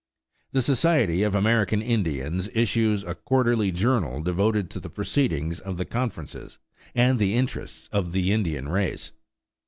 The Society of American Indians issues a quarterly journal devoted to the proceedings of the conferences and the interests of the Indian race.